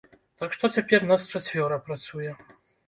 Так што цяпер нас чацвёра працуе.